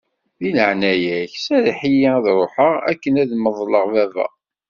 Di leɛnaya-k, serreḥ-iyi ad ṛuḥeɣ akken ad meḍleɣ baba.